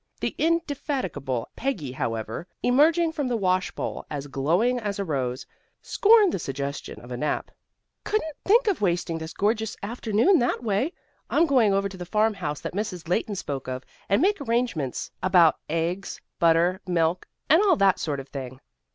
The indefatigable Peggy however, emerging from the wash bowl as glowing as a rose, scorned the suggestion of a nap. "Couldn't think of wasting this gorgeous afternoon that way. I'm going over to the farmhouse Mrs. Leighton spoke of, and make arrangements about eggs, butter, milk, and all that sort of thing."